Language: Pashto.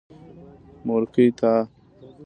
مورکۍ تا.